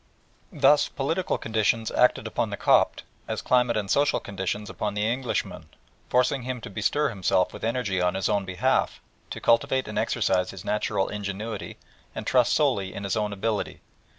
Thus political conditions acted upon the Copt as climate and social conditions upon the Englishman, forcing him to bestir himself with energy on his own behalf, to cultivate and exercise his natural ingenuity, and trust solely in his own ability.